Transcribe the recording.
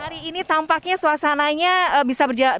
hari ini tampaknya suasananya bisa berjalan